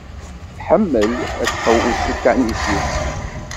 Tḥemmel ad tḥewwes s ukanic-is.